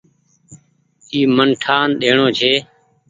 اي من ٺآن ڏيڻو ڇي۔